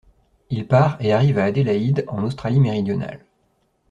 Il part et arrive à Adélaïde en Australie-Méridionale.